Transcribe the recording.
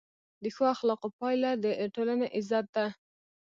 د ښو اخلاقو پایله د ټولنې عزت ده.